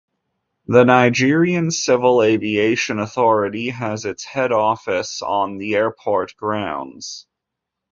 The Nigerian Civil Aviation Authority has its head office on the airport grounds.